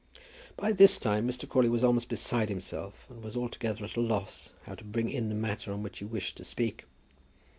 By this time Mr. Crawley was almost beside himself, and was altogether at a loss how to bring in the matter on which he wished to speak.